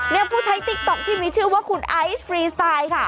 ผู้ใช้ติ๊กต๊อกที่มีชื่อว่าคุณไอซ์ฟรีสไตล์ค่ะ